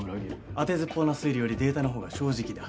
当てずっぽうの推理よりデータの方が正直だ。